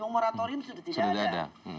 moratorium sudah tidak ada